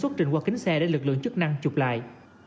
xuất trình qua kính xe để lực lượng chức năng chụp lại